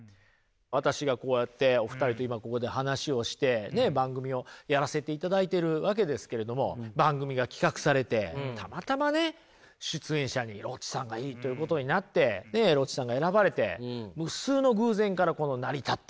私がこうやってお二人と今ここで話をしてね番組をやらせていただいてるわけですけれども番組が企画されてたまたまね出演者にロッチさんがいいということになってでロッチさんが選ばれて無数の偶然からこの成り立ってる。